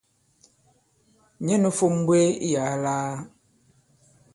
Nyɛ nū fȏm m̀mbwēē iyàa lāā.